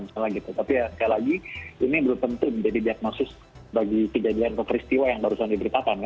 tapi sekali lagi ini berpenting jadi diagnosis bagi kejadian keperistiwa yang baru saja diberitakan